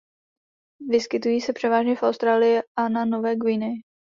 Vyskytují se převážně v Austrálii a na Nové Guineji.